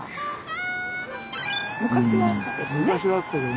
昔はあったけどね。